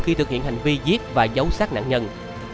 khi thực hiện hành vi giết và giấu sát nạn nhân